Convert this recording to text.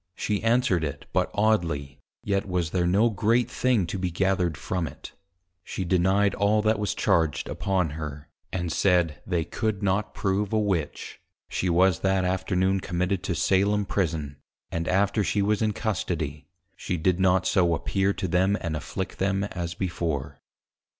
_ She answered it but oddly, yet was there no great thing to be gathered from it; she denied all that was charged upon her, and said, They could not prove a Witch; she was that Afternoon Committed to Salem Prison; and after she was in Custody, she did not so appear to them, and afflict them as before.